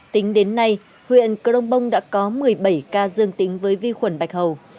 tính đến nay huyện crong bông đã có một mươi bảy ca dương tính với vi khuẩn bạch hầu